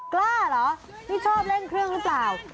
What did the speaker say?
กล้าเหรอนี่ชอบเล่นเครื่องหรือเปล่า